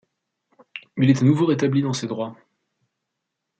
Il est à nouveau rétabli dans ses droits.